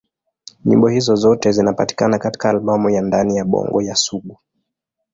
Nyimbo hizo zote zinapatikana katika albamu ya Ndani ya Bongo ya Sugu.